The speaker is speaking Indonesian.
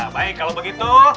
baik kalau begitu